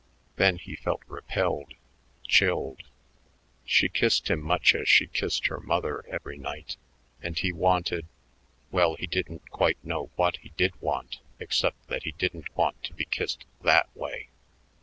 Then he felt repelled, chilled. She kissed him much as she kissed her mother every night, and he wanted well he didn't quite know what he did want except that he didn't want to be kissed that way.